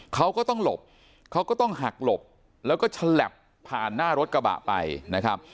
เขาก็ต้องหลบเขาก็ต้องหักหลบแล้วก็ฉลับผ่านหน้ารถกระบะไปนะครับ